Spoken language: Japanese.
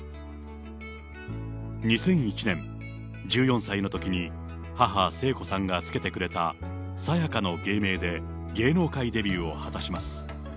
２００１年、１４歳のときに、母、聖子さんが付けてくれたサヤカの芸名で芸能界デビューを果たします。